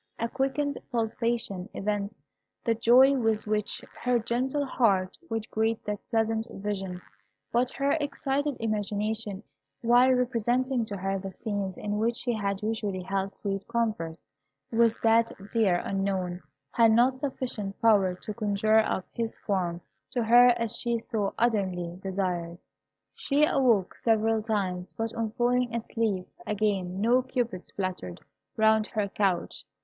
A quickened pulsation evinced the joy with which her gentle heart would greet that pleasant vision; but her excited imagination, while representing to her the scenes in which she had usually held sweet converse with that dear Unknown, had not sufficient power to conjure up his form to her as she so ardently desired. She awoke several times, but on falling asleep again no cupids fluttered round her couch.